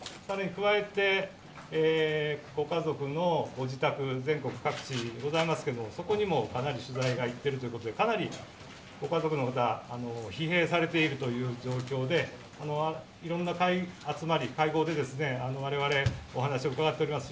加えて、ご家族のご自宅全国各地ございますけれどもそこにもかなり取材が行っているということで、かなりご家族の方疲弊されているという状況でいろんな集まり、会合で我々、お話を伺っております。